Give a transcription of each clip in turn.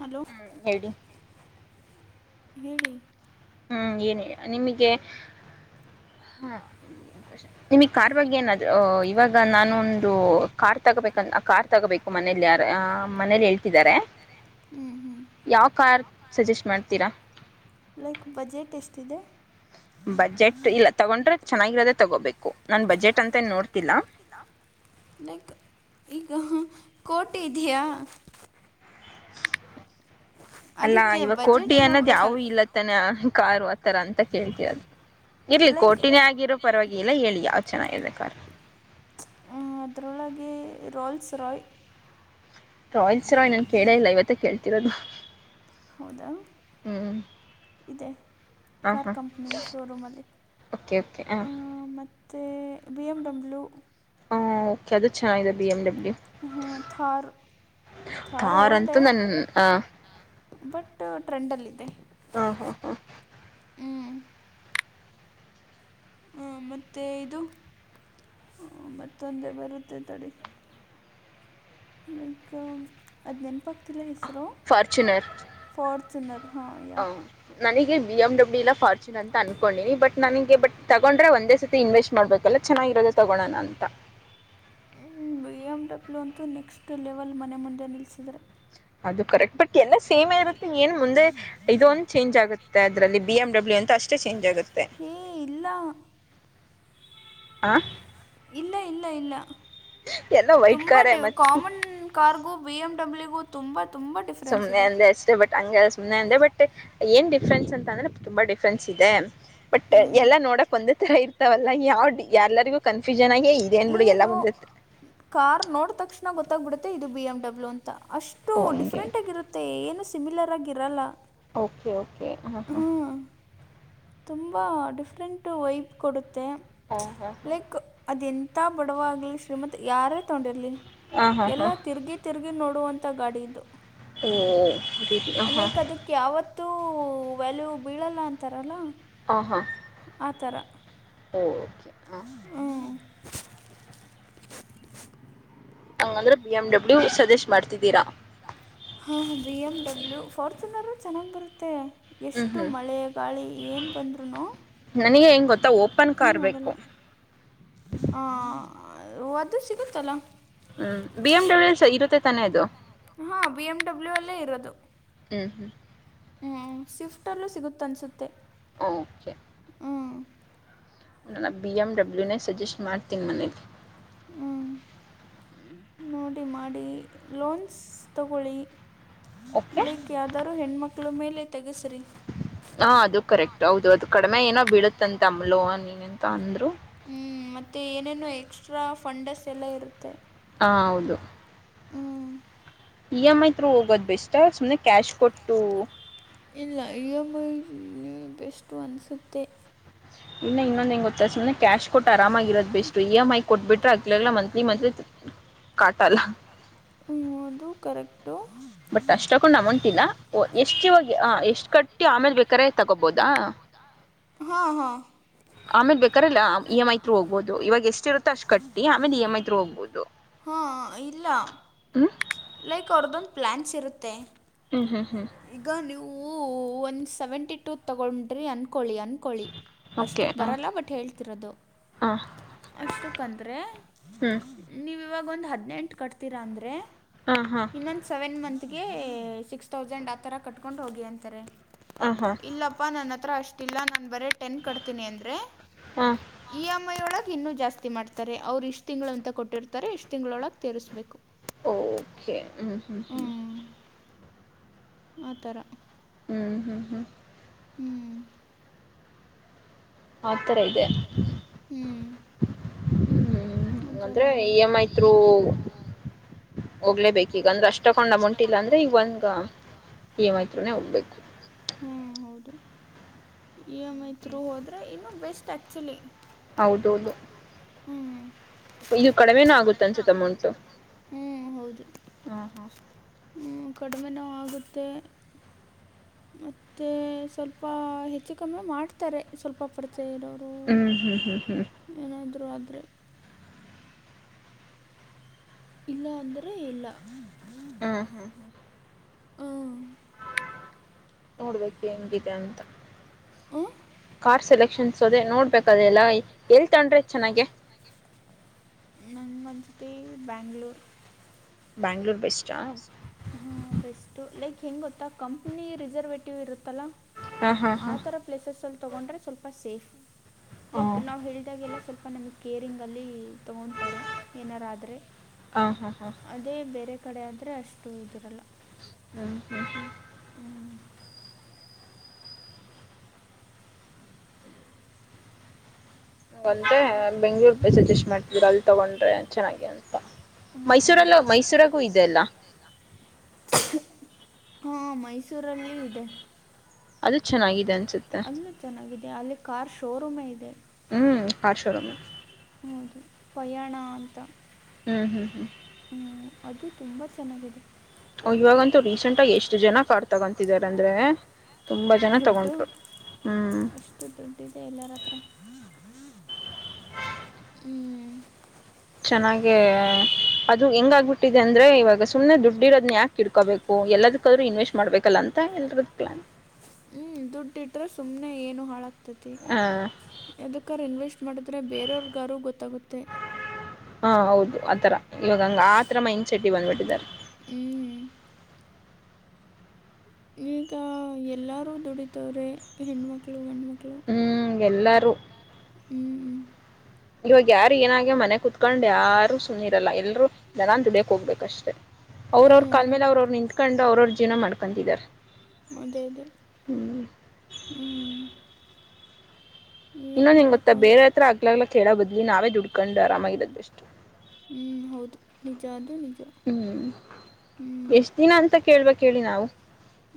Hello ಹ ಹೇಳಿ ಹೇಳಿ ಹ್ಮ್ ಏನ್ ನಿಮಗೆ ಹಾ ನಿಮಗ್ ಕಾರ್ ಬಗ್ಗೆ ಏನಾದ್ ಇವಾಗ ನಾನು ಒಂದು ಕಾರ್ ತಗೋಬೇಕು ಕಾರ್ ತಗೋಬೇಕು. ಮನೆಯಲ್ಲಿ ಯಾರ ಮನೆಯಲ್ಲಿ ಹೇಳ್ತಿದ್ದಾರೆ ಹ್ಞೂ ಹ್ಞೂ ಯಾವ ಕಾರ್ ಸಜೆಸ್ಟ್ ಮಾಡ್ ತೀರಾ ಲೈಕ್ ಬಜೆಟ್ ಎಷ್ಟಿದೆ. ಬಜೆಟ್ ಇಲ್ಲ ತಗೊಂಡ್ರೆ ಚೆನ್ನಾಗಿರೋದೆ ತಗೋಬೇಕು ನಾನ್ ಬಜೆಟ್ ಅಂತೇನ್ ನೋಡ್ತಿಲ್ಲ. ಲೈಕ್ ಈಗ ಕೋಟೆ ಇದೆಯಾ. ಅಲ್ಲಾ ಅದಕ್ಕೆ ಇವಾಗ ಬಜೆಟ್ ಕೋಟಿ ಅನ್ನೋದ್ ಯಾವು ನೋಡ್ಬೇಕಲ್ಲ ಇಲ್ಲತ್ತಾನ ಕಾರು ಆತರ ಅಂತ ಕೇಳ್ತಿವಿ ಅದು. ಇರ್ಲಿ ಲೈಕ್ ಕೋಟಿನೇ ಆಗಿರೋ ಪರವಾಗಿಲ್ಲ ಹೇಳಿ ಯಾವ್ದ ಚನಾಗ ಇದೆ ಕಾರು. ಹ ಅದರೊಳಗೆ ರೋಲ್ಸ್ ರಾಯ್. ರೋಲ್ಸ ರಾಯ್ ನನ್ ಕೇಳ ಇಲ್ಲ ಇವತ್ತ ಕೇಳ್ತಿರೋದು ಹೌದಾ ಹ್ಮ್. ಇದೆ ಹ ಕಾರ್ ಹಾ ಕಂಪ್ನಿ ಶೋರೂಮಲ್ಲಿ ಓಕೆ ಓಕೆ ಹ ಮತ್ ಮತ್ತೆ ಬಿ ಎಮ ಡಬ್ಲ್ಯೂ. ಹ ಓಕೆ ಅದು ಚೆನ್ನಾಗಿದೆ ಬಿ ಎಮ್ ಡಬ್ಲ್ಯೂ ಹ ತಾರ. ತಾರು ಕಾರ್ ಓಲ್ಡ್ ಅಂತೂ ನನ್ ಆ ಬಟ್ ಟ್ರೆಂಡ್ ಅಲ್ಲಿದೆ. ಹಾ ಹಾ ಹಾ. ಹ ಮತ್ತೆ ಇದು ಹ ಮತ್ತೊಂದೆ ಬರುತ್ತೆ ತಡಿ. ಲೈಕ್ ಅದ್ ನೆನಪು ಆಗ್ತಿಲ್ಲ ಹೆಸರು ಫಾರ್ಚುನರ್ ಫಾರ್ಚುನರ್. ಹಾಂ ಯಾ ಹ ನನಗೆ ಬಿ ಎಮ್ ಡಬ್ಲ್ಯೂ ಇಲ್ಲ ಫಾರ್ಚುನ್ ಅಂತ ಅನ್ಕೊಂಡಿನಿ ಬಟ್ ನನಗೆ ಬಟ್ ತಗೊಂಡ್ರೆ ಒಂದೇ ಸತಿ ಇನ್ವೆಸ್ಟ್ ಮಾಡ್ಬೇಕಲ್ಲ ಚೆನ್ನಾಗಿರೋದು ತಗೋಳಣ ಅಂತ. ಹ ಬಿ ಎಂ ಡಬ್ಲ್ಯೂ ಅಂತೂ ನೆಕ್ಸ್ಟ್ ಲೆವೆಲ್ ಮನೆ ಮುಂದೆ ನಿಲ್ಲಿಸಿದ್ರೆ. ಅದು ಕರೆಕ್ಟ್ ಬಟ್ ಎಲ್ಲ ಸೇಮ್ ಇರುತ್ತೆ ಏನ್ ಮುಂದೆ ಇದ ಒಂದು ಚೇಂಜ್ ಆಗುತ್ತೆ. ಮತ್ತೆ ಅದ್ರಲ್ಲಿ ಬಿ ಎಂ ಡಬ್ಲ್ಯೂ ಅಂತ ಅಷ್ಟೇ ಚೇಂಜ್ ಆಗುತ್ತೆ. ಏ ಇಲ್ಲಾ. ಆ. ಇಲ್ಲ ಇಲ್ಲ ಇಲ್ಲ ಎಲ್ಲ ವೈಟ್ ತುಂಬ ಕಾರೇ ಮತ್ತ common. Cargo B M W ತುಂಬಾ ತುಂಬಾ ಡಿಫ ಸುಮ್ಮನೆ ಅಂದೇ ಅಸ ಬಟ್ ಹಂಗ ಸುಮ್ಮನೆ ಇ ಬಟ್ ಏನ್ ಡಿಫ್ರೆನ್ಸ್ ಅಂತ ಅಂದ್ರೆ ತುಂಬಾ ಡಿಫ್ರೆನ್ಸ್ ಇದೆ. ಬಟ್ ಎಲ್ಲಾ ಹ್ಞೂ ನೋಡಕ್ ಒಂದ ತರ ಇರ್ತಾವಲ್ಲ ಯಾವ ಯಾರ್ಲ್ಲರಿಗೂ. ಕನ್ಫ್ಯೂಷನ್ ಆಗಿ ಇದೇನ್ ಬಿಡುಗ ಎಲ್ಲ ಏನು ಬಂದಿತಿ. ಕಾರ್ ನೋಡ ತಕ್ಷಣ ಗೊತ್ತಾಗ್ಬಿಡುತ್ತೆ ಇದು ಬಿ ಎಮ್ ಡಬ್ಲ್ಯೂ ಅಂತ ಅಷ್ಟು ಓ ಹಂಗೆ ಡಿಫ್ರೆಂಟ್ ಆಗಿರುತ್ತ ತ್ತೆ ಏನು ಸಿಮಿಲರ್ ಆಗಿರಲ್ಲ. ಓಕೆ ಓಕೆ ಹಾ ಹಾ. ತುಂಬಾ ಡಿಫ್ರೆಂಟು ವೈಪ್ ಕೊಡುತ್ತೆ ಹಾ ಹಾ ಲೈಕ್ ಅದೆ ಎಂತ ಬಡವ ಆಗ್ಲಿ ಶ್ರೀಮಂತ ಯಾರೇ ತಗೊಂಡಿರ್ಲಿ ಹಾ ಹಾ ಹಾ ಎಲ್ಲ ಹಾ ತಿರುಗಿ. ತಿರುಗಿ ನೋಡುವಂತ ಗಾಡಿ ಇದು. ಓ ರೀ ಆ ಹಾ. ಲೈಕ್ ಅದಕ್ಕೆ ಯಾವತ್ತೂ ವ್ಯಾಲ್ಯೂ ಬೀಳಲ್ಲ ಅಂತಾರಲ್ಲ. ಆ ಹಾ. ಆ ಥರ. ಓ ಓಕೆ. ಹಾ ಹ್ಮ್. ಹಂಗಂದ್ರೆ ಬಿ ಎಮ್ ಡಬ್ಲ್ಯೂ ಸಜೆಸ್ಟ್ ಮಾಡ್ತಿದ್ದೀರಾ. ಹಾಂ ಬಿ ಎಮ್ ಡಬ್ಲ್ಯೂ ಫಾರ್ಚುನರು ಚೆನ್ನಾಗಿ ಬರುತ್ತೆ. ಹ್ಮ್ ಎಷ್ಟು ಹ್ಮ್ ಮಳೆ ಗಾಳಿ ಏನ ಬಂದ್ರೂನು. ನನಗೆ ಹೆಂಗ್ ಗೊತ್ತಾ ಓಪನ್ ಕಾರ್ ಬೇಕು. ಹ ಅದು ಸಿಗುತ್ತಲ್ಲ. ಹ್ಮ್ ಬಿ ಎಂ ಡಬ್ಲ್ಯೂ ಇರುತ್ತೆ ತಾನೇ ಅದು [unintelligible] ಹಾ ಬಿ ಎಮ್ ಡಬ್ಲ್ಯೂ ಅಲ್ಲೇ ಇರೋದು ಹ್ಮ್ ಹ್ಮ್ ಹ ಸ್ವಿಫ್ಟಲ್ಲೂ ಸಿಗುತ್ತೆ ಅನಿಸುತ್ತೆ ಹೊ ಓಕೆ ಹ್ಞೂ ನನ್ನ ಬಿ ಎಮ್ ಡಬ್ಲ್ಯೂನೇ ಸಜೆಸ್ಟ್ ಮಾಡತೀನಿ ಮನೆಲಿ ಹ್ಮ್ ನೋಡಿ ಮಾಡಿ ಲೋನ್ಸ್ ತಗೊಳ್ಳಿ ಓಕೆ ಲೈಕ್ ಯಾವ್ದಾದಾರೂ ಹೆಣ್ಮಕ್ಳು ಮೇಲೆ ತೆಗೆಸ್ರಿ ಹಾ ಅದು ಕರೆಕ್ಟ್ ಹೌದು ಅದು ಕಡಿಮೆ ಏನೋ ಬೀಳುತ್ತಂತೆ ಅಮ್ಲೋನ್ಏನಂತ ಅಂದ್ರು ಹ್ಞ ಮತ್ತೆ ಏನೇನು ಎಕ್ಸ್ಟ್ರಾ ಫಂಡಸ್ ಎಲ್ಲ ಇರುತ್ತೆ ಹ ಹೌದು ಹ್ಞೂ ಇ ಎಮ್ ಐ ತ್ರೂ ಹೋಗೋದು ಬೆಸ್ಟಾ ಸುಮ್ನೆ ಕ್ಯಾಶ್ ಕೊಟ್ಟು ಇಲ್ಲ ಇ ಎಮ್ ಐ ನೀ [unintelligible] ಬೆಸ್ಟು ಅನ್ಸುತ್ತೆ ಇನ್ನು ಇನ್ನೊಂದ ಏನ್ ಗೊತ್ತಾ ಸುಮ್ನೆ ಕ್ಯಾಶ್ ಕೊಟ್ಟ ಆರಾಮಾಗಿರದು ಬೆಸ್ಟು ಇ ಎಂ ಐ ಕೊಟ್ಬಿಟ್ರೆ ಆಗ್ಲಲ್ಲ ಮಂತ್ಲಿ ಮಂತ್ಲಿ ಕಾಟಲ್ಲ [unintelligible] ಹ ಅದು ಕರೆಕ್ಟ [unintelligible] [unintelligible] [unintelligible] ಬಟ್ ಅಷ್ಟಕ್ಕೊಂದು ಅಮೌಂಟ್ ಇಲ್ಲ ಓ ಎಷ್ಟು ಇವಾಗ ಎಷ್ಟ ಇಗ ಕಟ್ಟಿ ಎಷ್ಟು ಕಟ್ತಿಯೋ ಆಮೇಲೆ ಬೇಕಾದ್ರೆ ತಗೋಬೋದಾ ತಗೋಬಹುದಾ. ಹಾ ಹಾ ಆಮೇಲೆ ಬೇಕಾದ್ರೆ ಇ ಎಮ್ ಐ ತ್ರು ಹೋಗಬಹದು ಇವಾಗ ಎಷ್ಟ್ ಇರುತ್ತ ಅಷ್ಟ ಕಟ್ಟಿ ಆಮೇಲೆ E M I through ಹೋಗಬಹದು. ಹಾ ಹಾ ಇಲ್ಲ ಹು [unintelligible] ಲೈಕ್ ಅವ್ರದ್ದೊಂದು ಪ್ಲ್ಯಾನ್ಸ್ ಇರುತ್ತೆ. ಹ್ಮ್ ಹ್ಮ್ ಹ್ಮ್ ಈಗ ನೀವು ಒಂದು ಸೆವೆಂಟಿ ಟೂ ತಗೊಂಡ್ರಿ ಅಂದ್ಕೊಳ್ಳಿ ಅಂದ್ಕೊಳ್ಳಿ. ಓಕೆ ಅಷ್ಟಕ್ ಹಾಂ ಬರಲ್ಲ ಬಟ್ ಹೇಳ್ತಿರೋದು ಆ ಅಷ್ಟಕ್ಕಂದ್ರೆ ಹ್ಮ್ ನೀವು ಇವಾಗ ಒಂದು ಹದಿನೆಂಟು ಕಟ್ತೀರಾ ಅಂದರೆ ಹಾ ಹಾ ಇನ್ನೊಂದು ಸೆವೆನ್ ಮಂತಗೆ ಸಿಕ್ಸ್ ಥೌಸಂಡ್ ಆ ಥರ ಕಟ್ಕೊಂಡು ಹೋಗಿ ಅಂತಾರೆ. ಆ ಹಾ ಇಲ್ಲಪ್ಪಾ ನನ್ನ ಹತ್ರ ಅಷ್ಟಲ್ಲ ನಾನು ಬರೇ ಟೆನ್ ಕಡ್ತೀನಿ ಅಂದರೆ ಹಾ ಈ ಎಮ್ ಐ ಒಳಗೆ ಇನ್ನೂ ಜಾಸ್ತಿ ಮಾಡ್ತಾರೆ ಅವ್ರು ಇಷ್ಟು ತಿಂಗಳು ಅಂತ ಕೊಟ್ಟಿರ್ತಾರೆ ಇಷ್ಟು ತಿಂಗಳೊಳಗೆ ತಿರಿಸ್ಬೇಕು. ಓಕೆ ಹ್ಮ್ ಹ್ಮ್ ಹ್ಮ್ ಆಥರ ಹ್ಮ್ ಹ್ಮ್ ಹ್ಮ್ ಹ್ಮ್ ಆಥರ ಇದೆ ಹ್ಮ್ ಆತರ ಅಂದ್ರೆ ಇದೆ ಇ ಈ ತ್ರೂ ಎಮ್ ಐ ಐತ್ರು ಹೋಗ್ಲೇಬೇಕು ಈಗ ಅಂದ್ರೆ ಅಷ್ಟ ತಕೊಂಡ್ ಅಮೌಂಟ್ ಇಲ್ಲ ಅಂದ್ರೆ ಈಗ ಒಂದು ಈಮತ್ರುನೆೇ ಹೋಗ್ಬೇಕು. ಹ ಹೌದು ಇ ಎಮ್ ಐ ಥತ್ರೂ ಇನ್ನೂ ಬೆಸ್ಟ್ ಆ್ಯಕ್ಚುಲಿ ಹೌದೌದು ಹೌ ಹ್ಮ್ ಇದು ಕಡಿಮೆನು ಆಗುತ್ತೆ ಅನಿಸುತ್ತೆ ಅಮೌಂಟು ಹ್ಮ್ ಹೌದು ಹಾ ಹಾ ಹ್ಮ ಕಡಿಮೆನು ಆಗುತ್ತೆ. ಮತ್ತೆ ಸ್ವಲ್ಪ ಹೆಚ್ಚು ಕಮ್ಮೆ ಮಾಡ್ತಾರೆ ಸ್ವಲ್ಪ ಪರಿಚಯ ಇರೋರು. ಹ್ಮ ಹ್ ಹ್ ಹ್. ಏನಾದರೂ ಆದರೆ ಇಲ್ಲ ಅಂದ್ರೆ ಇಲ್ಲ. ಹ್ಮ್ ಹ. [unintelligible] ನೋಡ್ಬೇಕು ಹೆಂಗಿದೆ ಅಂತ. ಹ್ಞೂ ಕಾರ್ ಸೆಲೆಕ್ಷನ್ಸ್ ಅದೆೇ ನೋಡ್ಬೇಕ ಅದೆ ಎಲ್ಲ ಎಲ್ ತಂಡ್ರೆ ಚೆನ್ನಾಗೆ. [unintelligible] ನಂಗನಸುತ್ತೆ ಬ್ಯಾಂಗ್ಳೂರು. ಬ್ಯಾಂಗಳೂರು ಬೆಸ್ಟಾ. ಹಾಂ ಬೆಸ್ಟು ಲೈಕ್ ಹೆಂಗ ಗೊತ್ತಾ ಕಂಪ್ನಿ ರಿಸರ್ವೇಟಿವ್ ಇರುತ್ತಲ್ಲ. ಹಾಂ ಹಾಂ ಆ ಹಾಂ ಥರ ಪ್ಲೇಸಸಲ್ಲಿ ತಗೊಂಡ್ರೆ ಸ್ವಲ್ಪ ಸೇಫ್. ಲೈಕ್ ಹಾಂ ನಾವು ಹೇಳಿದಾಗೆಲ್ಲ ಸ್ವಲ್ಪ ನಮಗೆ ಕೇರಿಂಗಲ್ಲಿ ತಗೊಂತಾರೆ ಏನರಾದ್ರೆ ಹಾಂ ಹಾಂ ಹಾಂ ಅದೇ ಬೇರೆ ಕಡೆ ಆದ್ರೆ ಅಷ್ಟು ಇದಿರಲ್ಲ. [unintelligible] ಹ್ಮ್. ಅಷ್ಟು [unintelligible] ಬೆಂಗ್ಳೂರ್ ಸಜೆಸ್ಟ್ ಮಾಡ್ತೀರಾ ಅಲ್ ತಗೊಂಡ್ರೆ ಚೆನ್ನಾಗಿ ಅಂತ ಹಾಂ ಮೈಸೂರಲ್ಲ ಹೌದು ಮೈಸೂರಗೂ ಇದೆಲ್ಲ. [unintelligible] ಹ್ಮ್ ಮೈಸೂರಲ್ಲಿ ಇದೆ. ಅದು ಅಲ್ಲೂ ಚೆನ್ನಾಗಿದೆ ಚನ್ನಾಗಿದೆ ಅನ್ಸುತ್ತೆ ಅಲ್ಲೂ ಚೆನ್ನಾಗಿದೆ ಅಲ್ಲಿ ಕಾರ್ ಶೋರೂಮೇ ಇದೆ. ಹ್ಮ್ ಕಾರ್ ಶೋರೂಮ್ ಹೌದು ಪಯಾಣ ಅಂತ. ಹ್ಮ್ ಹ್ಮ್ ಹ್ಮ್ ಹ್ಮ್ ಅದು ತುಂಬಾ ಚೆನ್ನಾಗಿದೆ. ಇವಾಗಂತೂ ರೀಸೆಂಟ್ ಆಗಿ ಎಷ್ಟು ಜನ ಕಾರ್ ತಗೊಂತಿದಾರ ಅಂದ್ರೆ ತುಂಬಾ ಜನ ದುಡ್ಡು ತಗೊಂಡರು. ಹ್ಮ್ ಅಷ್ಟು ದುಡ್ಡಿದೆ ಎಲ್ಲರತ್ರ. ಹ್ಮ್ ಚೆನ್ನಾಗೆ ಅದು ಹೆಂಗ ಆಗಬಿಟ್ಟಿದೆ ಅಂದ್ರೆ ಇವಾಗ ಸುಮ್ಮ್ನೆ ದುಡ್ಡಿರೋದ್ನ ಯಾಕ ಇಡ್ಕೋಬೇಕು ಎಲ್ಲದಕ್ಕಾದ್ರೂ ಇನ್ವೆಸ್ಟ್ ಮಾಡ್ಬೇಕಲ್ಲ ಅಂತ ಎಲ್ರೂ ಪ್ಲಾನ್. ಹ್ಮ್ ದುಡ್ಡು ಇಟ್ರ ಸುಮ್ನೆ ಏನು ಹಾಳ ಗತೈತಿ ಹ ಏದಕ್ಕಾರ ಇನ್ವೆಸ್ಟ್ ಮಾಡಿದ್ರೆ ಬೇರೆಯವ್ರಗಾರು ಗೊತ್ತಾಗುತ್ತೆ. ಹಾ ಹೌದು ಆತರ ಇವಾಗಂಗ ಆತರ ಮೈಂಡ್ಸೆಟ್ ಇವಾಗ ಮಾಡಿದ್ದಾರೆ. ಹ್ಮ್ ಈಗ ಎಲ್ಲಾರು ದುಡಿತವ್ರೆ ಹೆಣ್ಮಕ್ಳು ಗಣ್ಮಕ್ಳು. ಹ್ಮ್ ಎಲ್ಲರೂ. ಹ್ಮ್ಮ ಇವಾಗ ಯಾರು ಏನಾಗೆ ಮನೆ ಕುತ್ಕೊಂಡ್ ಯಾರು ಸುಮ್ಮನೆ ಇರಲ್ಲ ಎಲ್ರೂ ಜನನ್ ದುಡಿಯಕ್ ಹೋಗ್ಬೇಕ ಅಷ್ಟೆ. ಅವ್ರ ಅವ್ರ ಕಾಲ್ ಮೇಲೆ ಹ್ಞೂ ಅವ್ರ ಅವ್ರರು ನಿಂತ್ಕೊಂಡು ಅವ್ರ ಅವ್ರ ಜೀವನ ಮಾಡ್ಕೊಂತಿದ್ದಾರೆ. [unintelligible] ಹ್ಮ್. ಹ್ಮ್ ಇನ್ನೊಂದ್ ಏನ್ ಗೊತ್ತ ಮಾಡೋಕ್ಕಾಗ ಬೇರೆ ಹತ್ರ ಆಗ್ಲಲ್ಲಾ ಕೇಳ ಬದ್ಲಿ ನಾವೇ ದುಡ್ಕೊಂಡು ಆರಾಮಾಗಿರೋದು ಬೆಸ್ಟ್. ಹ್ಮ್ ಹೌದು ನಿಜ ಅದುೂ ನಿಜ. ಹ್ಮ್ ಹ್ಞೂ ಎಷ್ಟ ದಿನ ಅಂತ ಕೇಳ್ಬೇಕೇಳಿ ನಾವು.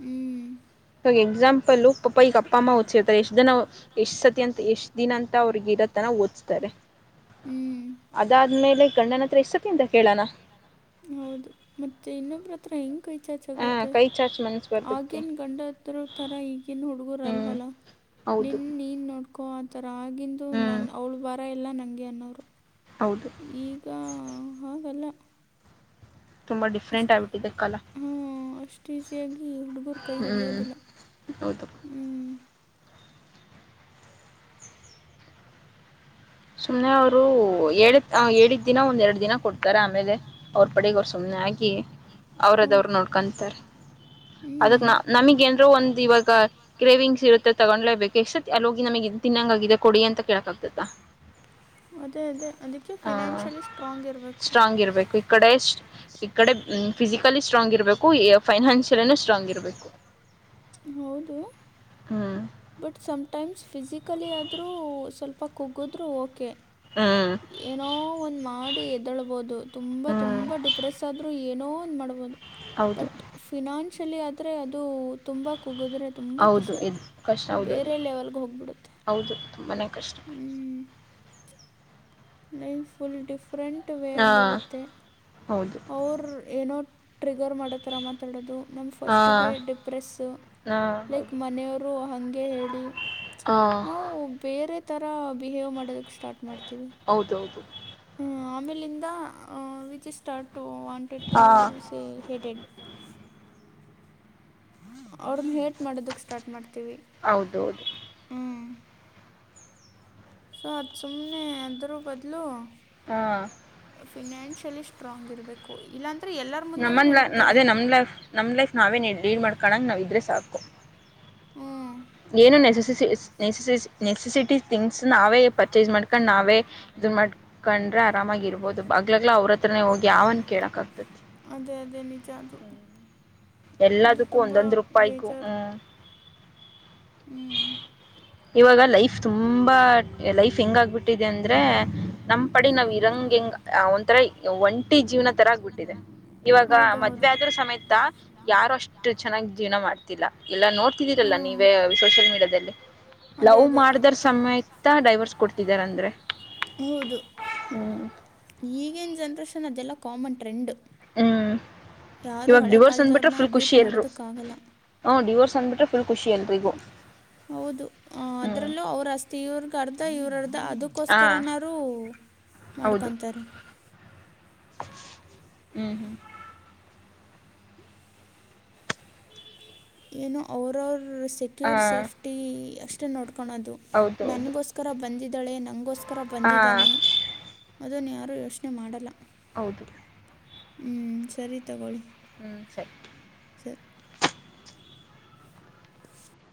ಹ್ಞೂ ಹ ಎಕ್ಸಾಂಪಲ್ ಪಪ್ಪ ಈಗ ಅಪ್ಪ ಅಮ್ಮ ಓದಸ್ತೀರ್ತಾರೆ ಎಷ್ಟ್ ಜನ ಎಷ್ಟ್ ಸತಿ ಅಂತ ಎಷ್ಟ್ ದಿನ ಅಂತ ಅವ್ರಗ ಇರೋ ತನ ಓಸ್ತಾರೆ. ಅದಾದ್ಮೇಲೆ ಗಂಡನ್ ಹತ್ರಾ ಎಷ್ಟ ಸತಿ ಅಂತ ಕೇಳಣಾ. ಹೌದು ಮತ್ತೆ ಇನ್ನೊಬ ಹೆಂಗ ಕೈ ಚಾಚ್ಕ ಹ ಆಗುತ್ತೆ ಕೈ ಚಾಚ್ ಮನ್ಸ್ ಬರ್ತತಿ ಆಗೇನ್ ಗಂಡ ಹತ್ರ ತರ ಈಗನ್ ಹ. ಹಡ್ಗರ ಹ್ಮ್ ಅಲ್ವಲ್ಲ ನಿ ಹೌದು ನೀನ್ ನೋಡ್ ಕೊ ಆಥರ ಆಗಿಂದು ಹ್ಮ್ ನನ್ನ ಅವ್ಳ ಬರ ಎಲ್ಲ ನಂಗೆ ಅನ್ನೋರು. ಹೌದು. ಈಗ ಹಾಗಲ್ಲ. ತುಂಬಾ ಡಿಫ್ರೆಂಟ ಆಗ್ಬಿಟ್ಟಿದೆ ಕಾಲಾ. ಹಾ ಅಷ್ಟು ಈಸಿಯಾಗಿ ಹುಡುಗರು ಕೈ ಹ್ಞೂ ಹಿಡಿಯೋದಿಲ್ಲ ಹೌದು ಹ್ಮ್. ಸುಮ್ಮನೆ ಅವರು ಹೇಳಿದ ಹೇಳಿದ್ದ ದಿನ ಒಂದೆರಡು ದಿನ ಕೊಡ್ತಾರೆ ಆಮೇಲೆ ಅವ್ರ ಪಡೆಗೆ ಅವರು ಸುಮ್ಮನೆ ಆಗಿ. ಅವ್ರದ ಹೌದು ಅವ್ರರು ನೋಡ್ಕೊಂತಾರೆ. ಅದಕ್ ನ ಹ್ಞೂ ನಮಗ್ ಏನ್ರರು ಒಂದ್ ಇವಾಗ ಗ್ರೇವಿಂಗ್ಸ್ ಇರುತ್ತೆ ತಗೊಂಡ್ಲೇ ಬೇಕು ಎಷ್ಟು. ಅಲ್ಲಿ ಹೋಗಿ ನಮಗೆ ತಿನ್ನಂಗಾಗಿದೆ ಕೊಡಿ ಅಂತ ಕೇಳಕ ಆಗ್ತತಾ. ಅದೇ ಅದೇ ಅದಕ್ಕೆ ಹ ಫಿನಾನ್ಷಿಯಲಿ ಸ್ಟ್ರಾಂಗ್ ಇರಬೇಕು ಸ್ಟ್ರಾಂಗ್ ಇರ್ಬೇಕು ಈ ಕಡೆ ಎಷ್ಟ. ಈ ಕಡೆ ಫಿಸಿಕಲಿ ಸ್ಟ್ರಾಂಗ್ ಇರಬೇಕು ಫೈನಾನ್ಷಿಯಲಿನೂ ಸ್ಟ್ರಾಂಗ್ ಇರಬೇಕು. ಹೌದು. ಹ್ಮ್. ಬಟ್ ಸಮಟೈಮ್ಸ್ ಫಿಸಿಕಲಿ ಆದರೂ ಸ್ವಲ್ಪ ಕುಗ್ಗಿದ್ರು ಓಕೆ. ಹ್ಮ್. ಏನೋ ಒಂದ್ ಮಾಡಿ ಎದಳ್ಬಹುದು ತುಂಬಾ ಹ್ಞೂ ತುಂಬಾ ಡಿಪ್ರೆಸ್ ಆದ್ರೂ ಏನೋ ಒಂದ ಮಾಡಬಹದು ಹೌದು ಬಟ್ ಫಿನಾನ್ಷಲಿ ಆದ್ರೆ ಅದು ತುಂಬಾ ಕುಗದ್ರೆ. ತುಂಬಾ ಹೌದು ಕಷ್ಟ. ಇದು ಕಷ್ಟ ಹೌದುದು ಬೇರೆ ಲೆವೆಲ್ಗೆ ಹೌದು ತುಂಬಾನೆ ಕಷ್ಟ. ಹ್ಮ್. Life full different. ಹಾ ಹೌದು. ಅವರು ಏನೋ ಟ್ರಿಗರ್ ಮಾಡೋ ತರಾ ಮಾತಾಡೋದು ಹಾ ನಮ್ಮ ಫಸ್ಟಿಗೆ ಡಿಪ್ರೆಸ್ಸ. ಹಾ ಲೈಕ್ ಹೌದು ಮನೆಯವರು ಹಂಗೆ ಹೇಳಿ ಹಾ ನಾವು ಬೇರೆ. ತರಾ ಬಿಹೇವ್ ಮಾಡೋಕ್ಕೆ ಸ್ಟಾರ್ಟ್ ಮಾಡ್ತೀವಿ. ಹೌದೌದು. ಆಮೇಲಿಂದ ವಿಚ್ ಸ್ಟಾರ್ಟ್ ವಾಂಟೆಡ್ ಟು ಹಾ ಸೇ ಹೇಟ್ಡ್ದ್. ಅವ್ರನ್ನ ಹೇಟ್ ಮಾಡೋದಕ್ ಸ್ಟಾರ್ಟ್ ಮಾಡ್ತೀವಿ. ಹೌದೌದು. ಸೊ ಅದ ಸುಮ್ಮನೆ ಅಂದರ ಬದಲೋ. ಹಾ. ಫಿನಾನ್ಷಿಯಲಿ ಸ್ಟ್ರಾಂಗ್ ಇರಬೇಕು ಇಲ್ಲಾಂದ್ರ ನಮ್ಮನ್ ಅದ ನಮ್ಮ ಲೈಫ್ ನಮ್ ಲೈಫ್ ನಾವೇ ಲೀಡ್ ಮಾಡ್ಕೋಂಗ ನಾವ ಇದ್ರೆ ಸಾಕು. ಹ್ಮ್. ಏನು ನೆಸಸ ನೆಸಸ ನೆಸಸಿಟಿ ಥಿಂಗ್ಸ್ ನಾವೇ ಪರ್ಚೇಸ್ ಮಾಡ್ಕೊಂಡ್ ನಾವೇ ಇದ ಮಾಡ್ಕೊಂಡ್ರೆ ಆರಾಮಾಗಿರ್ಬಹದು ಹಗ್ಗಲ್ಲಾ ಅವ್ರ ಹತ್ರನೆ ಹೋಗಿ ಅವಾವನ್ ಕೇಳಕ್ ಆಗ್ತತಿ. ಅದೇ ಅದೇ ನಿಜ ಅದು ಅದು ಎಲ್ಲದಕ್ಕೂ ತುಂಬ ಒಂದೊಂದ್ ರೂಪಾಯಿಗೂ ಬೇಜಾರು. ಹ್ಮ್ ಹ್ಞೂ [inaudible] ಇವಾಗ ಲೈಫ್ ತುಂಬಾ ಲೈಫ್ ಹೆಂಗ ಆಗ್ಬಿಟ್ಟಿದೆ ಅಂದ್ರೆ ನಮ್ ಪಡೆ ನಾವ್ ಇರಂಗ ಹೆಂಗ ಆ ಒಂಥರ ಒಂಟಿ ಜೀವನ ತರ ಆಗ್ಬಿಟ್ಟಿದೆ ಇವಾಗ ಹೌದು ಮತ್ತೆ ಹೌದು ಆದ್ರ ಸಮೇತ ಯಾರು ಅಷ್ಟು ಚೆನ್ನಾಗಿ ಜೀವನ ಮಾಡ್ತಿಲ್ಲ ಎಲ್ಲಾ ನೋಡ್ತಿದ್ದೀರಲ್ಲ ಹ್ಞೂ ನೀವೇ ಸೋಷಿಯಲ್ ಮೀಡಿಯಾದಲ್ಲಿ ಅದೇ ಲವ್ ಅದೇ ಮಾಡದರ ಸಮೇತ ಡೈವರ್ಸ್ ಕೊಟ್ಟಿದಾರ ಅಂದ್ರೆ ಹೌದು ಹ್ಮ್ ಈಗಿನ ಜನ್ರೇಷನ್ ಅದೆಲ್ಲ ಕಾಮನ್ ಟ್ರೆಂಡ್ ಹ್ಮ ಯಾರೂ ಇವಾಗ ಹಳೆ ಡಿವೋರ್ಸ್ ಅಂದಬಿಟ್ರೆ ಕಾಲದವ್ರನ್ನ ಫುಲ್ ಖುಷಿ ಬೀಟ್ ಎಲ್ರು. ಮಾಡೋದಕ್ಕಾಗಲ್ಲ ಹ್ ಡಿವೋರ್ಸ್ ಅನಬಿಟ್ರೆ ಫುಲ್ ಖಷಿ ಎಲ್ರಿಗೂ ಹೌದು ಹ್ಮ್ ಅದ್ರಲ್ಲೂ ಅವ್ರ ಅಸ್ತಿ ಇವ್ರಗ ಅರ್ಧ ಇವ್ರ ಅರ್ಧ ಅದು ಹಾ ಕೋಸ್ಕರ ನಾರು ಮಾಡ್ಕೊತಾರೆ. ಹ್ಮ ಏನೋ ಅವರವ್ರ ಹಾ ಸೆಕ್ಯೂರ್ ಸೇಫ್ಟಿ ಅಷ್ಟೇ ನೋಡ್ಕೊಳದು. ಹೌದು ಹೌದು ನನ್ಗೋಸ್ಕರ ಬಂದಿದ್ದಳೆ ನನ್ಗೋಸ್ಕರ ಹಾ ಬಂದಿದ್ದಾನೆ. ಅದನ್ನ ಯಾರು ಯೋಚನೆ ಮಾಡಲ್ಲ. ಹೌದು. ಹ್ಮ ಸರಿ ತಗೊಳ್ಳಿ. ಹ್ಞೂ ಸರಿ. ಸರಿ. [inaudible]